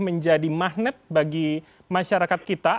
menjadi magnet bagi masyarakat kita